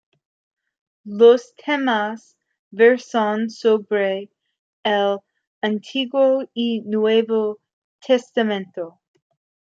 Los temas versan sobre el Antiguo y Nuevo Testamento.